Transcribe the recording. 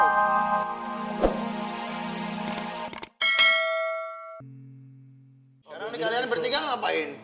sekarang nih kalian bertiga ngapain